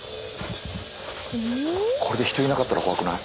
これで人いなかったら怖くない？